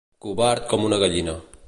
Covard com una gallina.